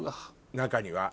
中には。